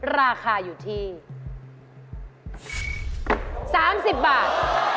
ราคาอยู่ที่๓๐บาท